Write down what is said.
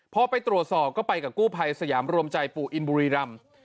พอไปตรวจสอบก็ไปกับกู้ภัยสยามรวมใจปู่อินบุรีรำ